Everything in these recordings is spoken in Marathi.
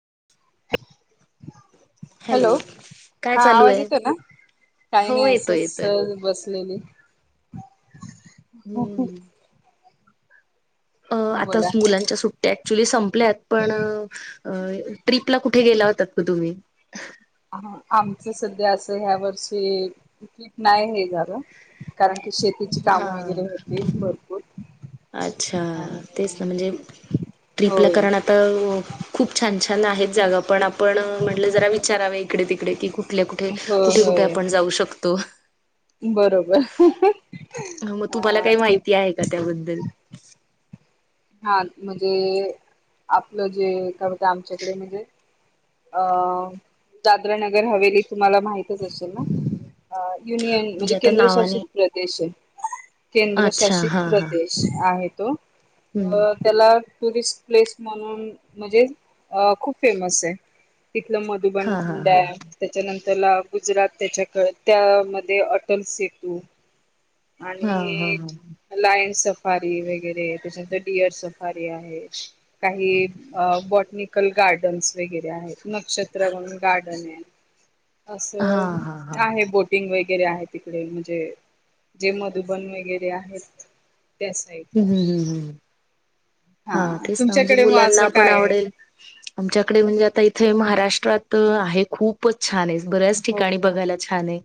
[unintelligible] हॅलो काय हा चालू आवाज आहे येतो ना? काही हो नाही येतोय असंच येतोय सहज बसलेली. हम्म अ बोला आताच मुलांच्या सुट्ट्या ऍक्च्युली संपल्यात पण. अ ट्रिपला कुठे गेला होतात का तुम्ही हा आमचं सध्या असं ह्या वर्षी तिकिट नाही हे झाल. कारण की शेतीची काम हा वगैरे होते भरपूर. अच्छा आणि तेच ना म्हणजे ट्रिपला होय करणं आता खूप छान. छान आहेत जागा पण आपण म्हटलं जरा विचाराव इकडे तिकडे की. कुठल्या कुठे हो कुठे कुठे होय आपण जाऊ शकतो. बरोबर ह मग अ तुम्हाला काही ते माहिती आहे का त्याबद्दल. [unintelligible] हा म्हणजे आपलं जे का होत आमच्याकडे म्हणजे. अ दादरा नगर हवेली. तुम्हाला माहितच असेल ना युनियन म्हणजे आता नावाने केंद्रशासित प्रदेश. अच्छा केंद्रशासित हा हा प्रदेश आहे तो हम्म तर त्याला. टुरिस्ट प्लेस म्हणून म्हणजे खूप फेमस आहे. तिथलं मधुबन हा हा जललं हा आहे त्याच्यानंतर. त्याला गुजरात त्याच्याकळ त्यामध्ये अटल सेतू. हा हा आणि लाईनस. वरे त्याच्यार डअर सारी आहे काही ब गार्डन्स वगैरे आहेत नक्षत्र म्हणून गार्डन आहे. [unintelligible] हा असं हा हा आहे बोटिंग वगैरे आहे तिकडे म्हणजे. जे मधुबन वगैरे आहेत. त्या ह् साईडला हम्म हम् हम्. हा तेच ना म्हणजे तुमच्याकडे मग असं मुलांना पण काय आहे आवडेल आमच्याकडे म्हणजे आता. इथे महाराष्ट्रात आहे खूपच छान आहे बऱ्याच ठिकाणी हो बघायला छान आहे.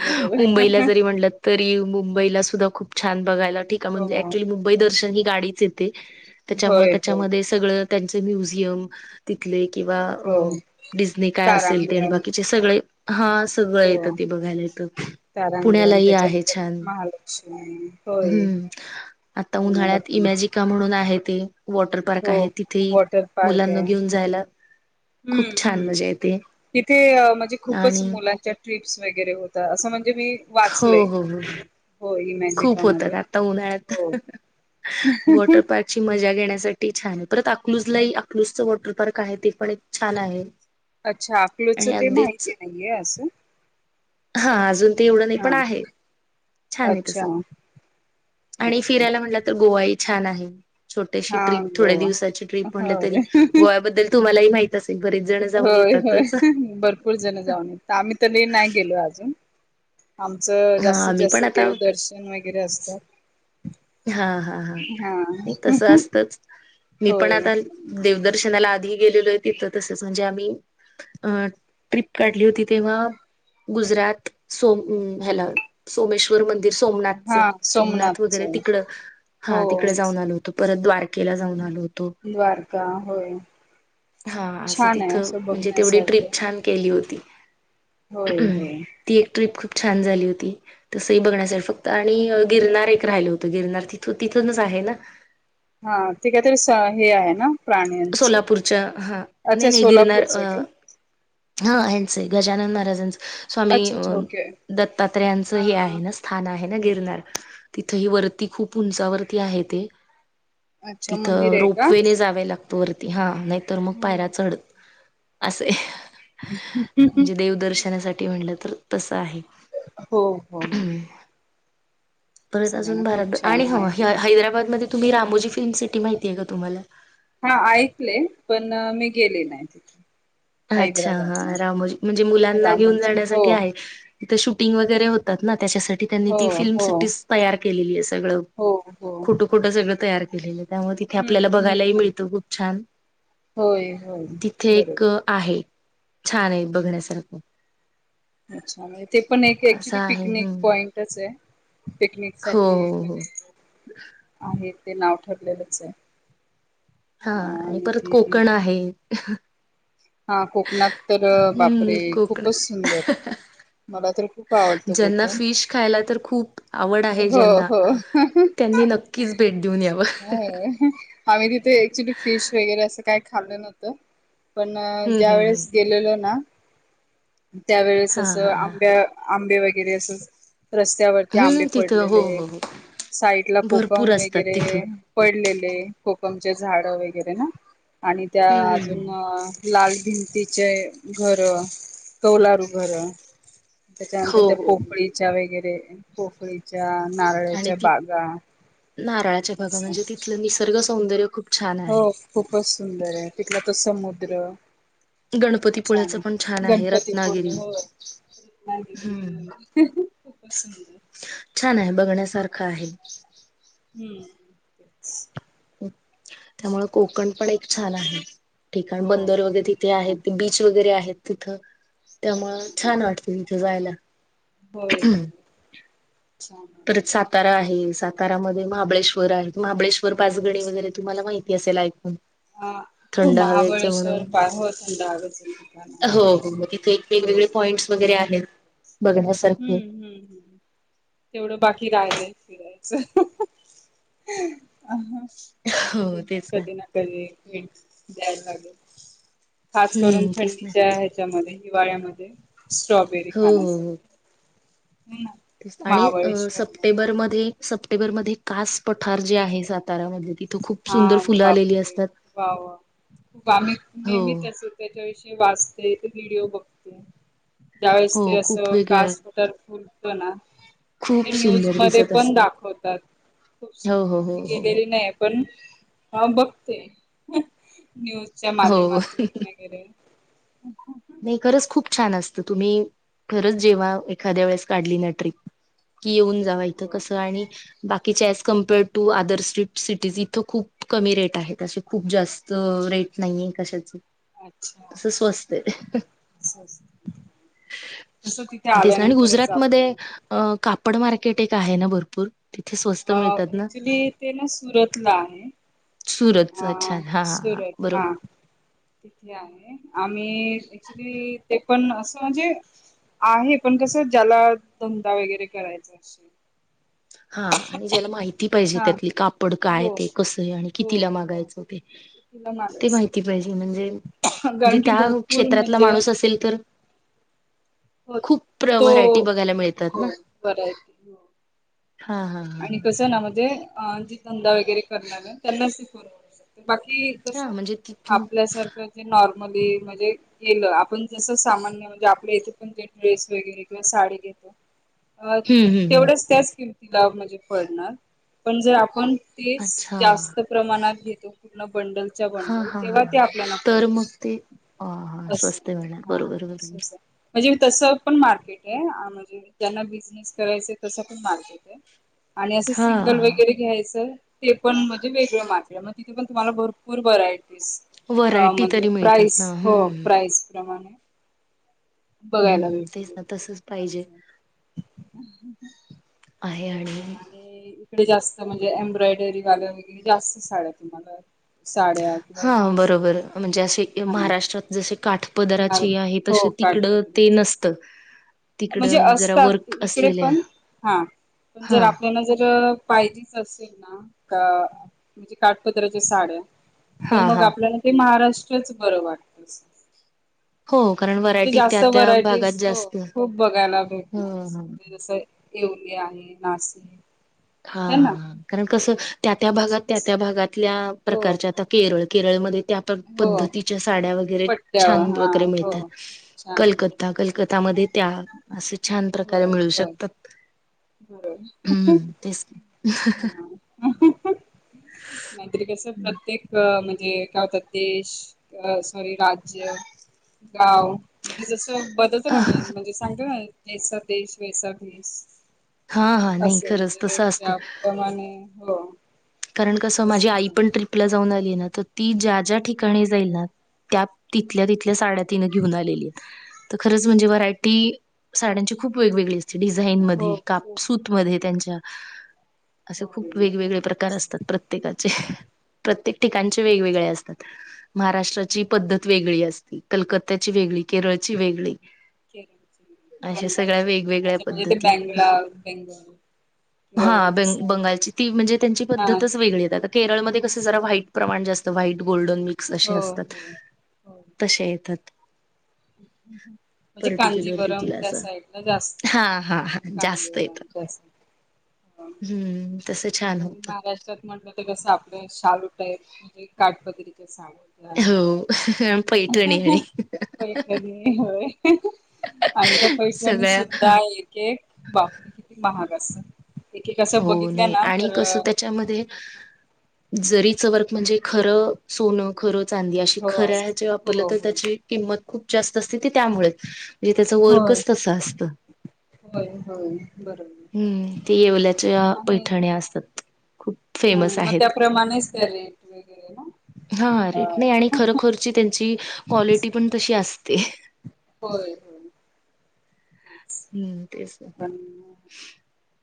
बरोबर मुंबईला जरी म्हणलं तरी मुंबईला सुद्धा खूप छान. बघाय ठी हो म्हणजे क्चुली मुंबई दर्शन ही गाडीच येते त्याच्यामुळे होय होय त्याच्यामध्ये सगळं त्यांचे म्युझियम तिथले किंवा हो डिझनी काय असेल ते आणि तारांगण बाकीचे सगळे हा सगळं येतं हो ते बघायला तर तारांगण पुण्यालाही आहे त्याच्यानंतर छान महालक्ष्मी होय हं आता पुण्याला उन्हाळ्याते पण िका म्हणून आहे ते वॉटर पार्क हो आहे तिथे वॉटर पार्क आहे मुलांना घेऊन जायला हम्म खूप छान हम्म मजा येते इथे म्हणजे खूपच आणि मुलांच्या ट्रीप वर हो अस म्हणजे मी हो वाचलय हो हो खूप होतात आता उन्हाळ्यात वॉटर पार्कची मजा घेण्या साठी छान आहे परत अकलूज ला अकलूजच वॉटर पार्क आहे ते पण एक छान आहे अच्छा आपकलोच आणि ते अगदीच माहिती नाहीये असं हा अजून ते एवढं नाही पण हा आहे छान आहे अच्छा तसं आणि ओके फिरायला म्हटलं तर गोवा इथ छान आहे छोट्याशी हा ट्रिप थोड्या गोवा दिवसाची ट्र्रीप म्हणल्या तरी होय गोव्याबद्दल तुम्हालाही माहित बरेच जण जाऊन होय होय येतातच भरपूर जण जाऊन य आम्ही तरी नाही गेलो अजून आमचं हा जास्तीत आम्ही पण जास्त आता देवदर्शन वगैरे असतात हा हा हा तस असतच मी पण होय आता देवदर दर्शनाला आधी गेलेलो आहे तिथं तसच म्हणजे आम्ही अ ट्रिप काढली होती तेव्हा गुजरात सोम हला सोमेश्वर मंदिर सोमनाथ चं हा सोमनाथ सोमनाथच वगैरे तिक हा हो तिकडे जाऊन आलो होतो परत द्वारकेला जाऊन आलो होत द्वारका होय हा असं छान आहे तिथं असं म्हणजे तेवढी बघण्यासारखं ट्रिप छान केली होती होय होय ती एक ट्र्रीप छान झाली होती तसही बघण्यासाठी फक्त आणि गिरनार एक राहिले होते गिरणार तिथ तिथूनच आहे ना हा ते काहीतरी हे आहे ना प्राण्यांचं सोलापूरच्या हा नाही अच्छा नाही गिरणार अ सोलापूरचं आहे का हा यांचं गजानन महाराजांचं स्वामी अच्छा अ अच्छा ओके दत्तात्रयाचं हे हा आहे ना स्थान आहे गिरणार तिथ ही वरती खूप उंचावरती आहे ते अच्छा मंदिर तिथं आहे का रोपवे ने जावे लागत हात वरती हा नाही तर मग हम्म पायरा चढत असे हम्म म्हणजे देवदर्शनासाठी म्हणलं तर तसं आहे हो हो परत चला ना अजून खूप बारब छान आणि ह माहिती दिली. हैदराबादमध्येध्ये तुम्ही रामोजी फिल्म सिटी माहितीये का तुम्हाला हा ऐकले पण मी गेले नाही तिथे अच्छा हैदराबादला हा रामजी म्हणजे मुलांना घेऊन रामाची हो जाण्यासाठी आहे तथ शूटिंग वगैरे होतात ना त्याच्यासाठी त्यांनी हो ती फिल्म हो सिटीज तयार केलेली आहे सगळं हो हो खोटं खोटं सगळं तयार केलेलं त्यामुळे तिथे हम्म आपल्याला हम्म बघायलाही हम्म मिळतं खूप छान होय होय तिथे एक बरोबर. आहे छान आहे बघण्यासारखं अच्छा म्हणजे ते पण एक असं ऍक्च्युली आहे पिकनिक हम्म पॉइंटच आहे पिकनिक हो साठी हो मज हो येत आहेत ते नाव ठरलेलंच आहे हा आणि परत कोकण आहेत हा कोकणात तर बापरे कोकण खूपच सुंदर मला तर खूप आवडतं ज्यांना कोकण फिश खायला तर खूप आवड आहे हो ज्यांना हो त्यांनी नक्कीच भेट देऊन याव आ्ही तिथे एकचट फिश वगैरे असं काही खाल्लं नवतं पण हम्म ज्या हम्म हम्म वेळेस गेलेलो ना त्यावेेळेस हा असं हा हा आंब्या आंबे वगैरे असं रस्त्यावरती आंबे हम्म तिथं हो पडलेले हो हो साईट ला भरपूर कोकम असतात तिथं वगैरे पडलेले कोकम झाड वगैरे ना आणि त्या हम्म अजून हम्म लाल भिंतीचे घर कौलारू घर त्याच्यानंतर हो त्या हो पोफळीच्या वगैरे पोफळी आणि नारळच्या ती बागा नारळाच्या बागा अस म्हणजे तिथलं निसर्ग सौंदर्य खूप छान हो आहे खूपच सुंदर आहे तिथला तर समुद्र खूप छान गणपतीपुळ्याचं पण छान आहे रत्नागिरी गणपतीपूर्ण खूप हम्म. खूप पस [unintelligible] छान आहे बघण्यासारखं आहे हम्म त्यामुळं कोकण पण एक छान आहे ठीका [unintelligible] हो बंदर हो वगैरे ते तिथे पण आहेत बीच वगैरे आहेत तिथं त्यामुळ छान वाटते तिथ जायला होय छान परत वाटतं सातारा आहे सातारामध्ये महाबळेश्वर आहे महाबळेश्वर पाचगणी वगैरे तुम्हाला माहिती असेल ऐकून हा हो थंड हवेच म्हणून महाबळेश्वर पा हो थंड हवेचं ठिकाण आहे हो मग तिथे वेगवेगळे हो पॉइंट्स वगैरे आहेत. बघण्यासारखे हम्म हम्म हम्म तेवढं बाकी राहिलंय [unintelligible] नक्की हो तेच कधी ना कधी भेट द्यायला लागल. खास करून हम्म तेच ना थंडीच्या ह्याच्यामध्ये हिवाळ्यामध्ये स्ट्रॉबेरी हो हो खाण्यास हो आणि महाबळेश्वरला सप्टेंबरमध्ये सप्टेंबरमध्ये कास पठार जे आहे सातारामध्ये तिथं खूप हा सुंदर फुलं आलेली बापरे असतात वाव खूप आम्ही हो नेहमीत असो त्याच्याविषयी वाचते व्हिडिओ बघते त्या वेेळेस हो ते खूप असं वेगळ कास पठार फुलत ना म्हणजे खूप न्यूज सुंदर मध्ये दिसत पण असत दाखवतात खूप हो सुंदर हो हो मी हो गेलेली नाहीये पण हा बघते. न्यूजच्या हो हो माध्यमातून वगैरे नाही खरंच खूप छान असतं तुम्ही खरंच जेवा एखाद्या वेळेस काढली ना ट्रीप कि येऊन जावा इथं हो कस आणि बा च्या as compare to other street cities इथं खूप कमी रेट आहे असे खूप जास्त रेट नाहीे कशाच. अच्छा. तसं स्वस्त आहे तसं तिथे तेच ना आणि आल्यानंतरच गुजरात मध्ये आपण अ कापड मार्केट एक आहे ना भरपूर तिथे स्वस्त अ मिळतात ना? ऍक्च्युली ते ना सुरतला आहे. सुरतच अ अच्छा हां, हां सुरत हा बरोबर. तिथे आहे आम्ही ऍक्च्युली ते पण असं म्हणजे आहे पण कस ज्याला धंदा वगैरे करायचा असेल हा आणि ज्याला माहिती पाहिजे हा त्यातली कापड काय हो ते कसं आहे आणि हो कितीला म हो मागायचं होते. तिला ते माहिती मारायचं पाहिजे म्हणजे जे कारण की त्या भरपूर क्षेत्रातला म्हणजे माणूस असेल तर हो खूप प्र तो व्हरायटी बघायला मिळतात हो ना? बर आहेेत हो हां, हां, हां, आणि कसं ना म्हणजे अ ज धंदा वगैरे करणार आहे त्यांनाच ते [unintelligible] बाकी कस हां हां, म्हणजे तिथून आपल्यासारखं जे नॉर म म्हणजे गलं आपण जस सामान्य म्हणजे आपल्या इथे पण जे ड्रेस वगैरे किंवा साडी घेतो [unintelligible] अ हं, हं, हं. तेवढ्याच त्याच किमतीला म्हणजे पडणार पण जर आपण तेच अच्छा. जास्त प्रमाणात घेतो पूर्ण बंडलच्या हां, बंडल तेव्हा ते आपल्याला पररवडते. ह हा स्वस्त मिळणार बरोबर बरोबर. असं म्हणजे तसं पण मार्केट आहे म्हणजे ज्यांना बिझनेस करायचं तसं पण मार्केट आहे. आणि असं सिंगल हां. वगैरे घ्यायचं ते पण म्हणजे वेगळ्या मार्केट मग तिथ पण तुम्हाला भरपूर वरायटी अ व्हरायटी म्हणजे तरी मिळतात प्राईस ना हो हम्म प्राईस प्रमाणे बघायला हम्म तेच भेटते ना तसच पाहिजे असं. आहे. हे आणि डे जास्त म्हणजे एम्ब्रॉयडरी वाल्या वगैरे जास्त साड्या तुम्हाला साड्या किंवा हा बरोबर ड्रेसेस म्हणजे असे हा महाराष्ट्रात जसे काठ पदराचे आहे तस हो तिकडं ते काठपदरीचे नसतं म्हणजे तिकडं जरा असतात वर्क इकडे असलेल्या पण हा पण जर हा आपल्याला जर पाहिजेच असेल ना का म्हणजे काटपत्राच्या साड्या तर हा मग हा आपल्याला ते महाराष्ट्रच बरं वाटत अस. हो कारण म्हणजे व्हरायटी जास्त त्या त्या भागात व्हरायटीज जास्त हो खूप बघायला ह भेटणार असं ह म्हणजे जसं येवली आहे नासिक - हा हा ह कारण कस त्या त्या भागात त्या त्या भागातल्या हो प्रकारच्या आता केरळ केरळमध्ये त्या हो पद्धतीच्या साड्या वगैरे छान पट्ट्यावर हा वगैरे हो मिळतात. छान कलकत्ता कलकत्तामध्ये त्या - होय होय होय हम्म तेच ह [unintelligible] नाहीतरी कस प्रत्येक म्हण जे काय होतात देश सॉरी राज्य गाव- म्हणजे जसं बदलतो ना म्ह अ म्हणजे सांगतो ना जैसा देश वैसा भेस हा हा नाही असं खरंच म्हणजे तसं असतं. त्याप्रमाणे हो कारण कसं माझी तसच आई आहे. पण ट्रिपला जाऊन आली ना तर ती ज्या ज्या ठिकाणी जाईल ना - त्या तिथल्या तिथल्या साड्या तिन घेऊन आलेली तर खरच म्हणजे व्हरायटी साड्यांची - खूप वेगवेगळी असते. डिझाईन मध्ये हो काप खूप सूत खूप मध्ये त्यांच्या असे होय खूप वेगवेगळे भरपूर प्रकार असतात प्रत्येकाचे प्रत्येक ठिकाणचे खूप वेगवेगळे असतात. महाराष्ट्राची पद्धत वेगळी असते. कलकत्याची वेगळी, केरळची वेगळी - केरळची बंगालची वेगवेगळ्या असं म्हणजे ते पद्धती आहेत. बेंगला बेंगाल हा ब बंगालची ती म्हणजे - - त्यांची हा पद्धतच वेगळी आता केरळमध्ये कस जरा व्हाईट प्रमाण जास्त व्हाईट गोल्डन मिक्स अशी हो असतात. हो हो तसे येतात. [inaudible] म्हणजे पर्टिक्युलर कांजीवरम तिथलं त्या असं साईड ला जास्त हा हा हा जास्त कांजीवरम येतात. त्या साईड हम्म तस छान हो. [unintelligible] [unintelligible] हो पैठणी आणि पैठणी होय [unintelligible] आणि त्या पैठनी सगळ्या सुद्धा एक एक बापरे किती महाग. कस एक एक असं बघितलं ना. तर कस त्याच्यामध्ये जरीच वर्क म्हणजे खरं सोन खर - चांदी अशी हो खऱ्या हेची वापरली हो तर हो त्याची किंमत खूप जास्त असते ते त्यामुळे म्हणजे त्याच होय वर्कच तस असत होय होय बरोबर हम् ते येवल्यात त्या आणि पैठणी असतात खूप फेमस हम्म मग आहेत! त्याप्रमाणेच त्या रेट वगैरे ना हा रेट नाही आणि अ खरोखरची त्यांची क्वालिटी पण तशी असते. होय होय तेच. हम्म तेच ते पण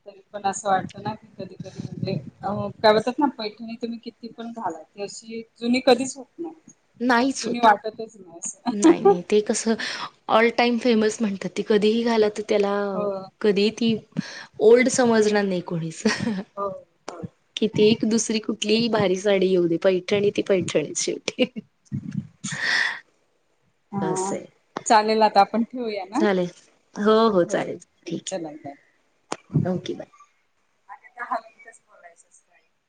तरी पण असं वाटतं ना की कधी कधी म्हणजे अ काल अस - ना पैठणी तुम्ही किती पण घाला ती अशी जुनी कधीच होत नई नाहीच होत असं नाही नाही ते कस [unintelligible] टाईमफेमस म्हणतात ती कधीही घाला त त्याला हो कधीही ती ओल्ड स् समजणार नाही कोणीच हो होय किती एक दुसरी कुठलीही भारी साडी येऊ दे पैठणी ती पैठणीच शेवटी. हा असंय चालेल आता आपण ठेवूया ना? हो हो चालेल होय ठीक चला बाय. आहे ओके बाय. [unintelligible]